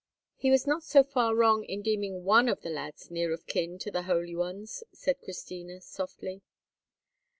"He was not so far wrong in deeming one of the lads near of kin to the holy ones," said Christina, softly.